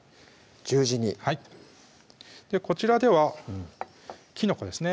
十字にはいこちらではきのこですね